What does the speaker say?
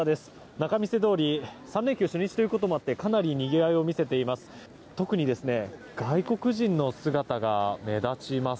仲見世通り３連休初日ということもあってかなりにぎわいを見せています。